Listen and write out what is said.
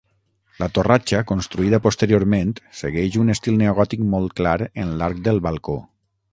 La torratxa, construïda posteriorment, segueix un estil neogòtic molt clar en l'arc del balcó.